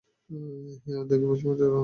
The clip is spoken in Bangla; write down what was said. হেই, ওদেরকে বেশ মজার মনে হচ্ছে।